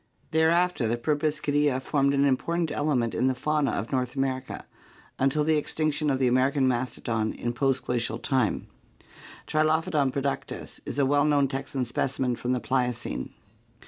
Thereafter the Proboscidea formed an important element in the fauna of North America until the extinction of the American mastodon in post Glacial time. Trilophodon productus is a well known Texan specimen from the Pliocene.